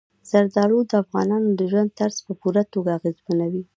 زردالو د افغانانو د ژوند طرز په پوره توګه اغېزمنوي.